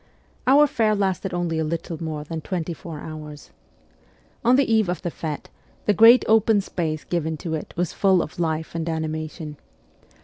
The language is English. Our fair lasted only a little more than twenty four hours. On the eve of the fete, the great open space given to it was full of life and animation.